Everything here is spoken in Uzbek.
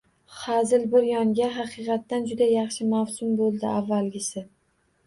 Hazil bir yonga, haqiqatdan juda yaxshi mavsum bo‘ldi avvalgisi.